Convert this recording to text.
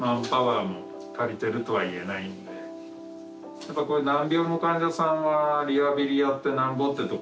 やっぱこういう難病の患者さんはリハビリやってなんぼってとこもあるんだけどね